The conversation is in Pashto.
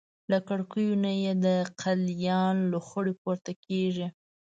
له کړکیو نه یې د قلیان لوخړې پورته کېږي.